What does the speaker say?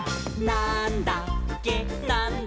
なんだっけ？！」